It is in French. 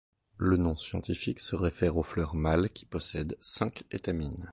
Le nom scientifique se réfère aux fleurs mâles qui possèdent cinq étamines.